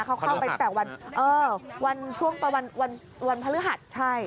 เขาเข้าไปถึงพระออหัส